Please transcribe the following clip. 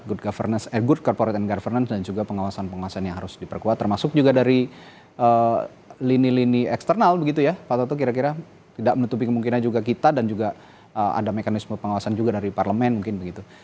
good governance good corporate and governance dan juga pengawasan pengawasan yang harus diperkuat termasuk juga dari lini lini eksternal begitu ya pak toto kira kira tidak menutupi kemungkinan juga kita dan juga ada mekanisme pengawasan juga dari parlemen mungkin begitu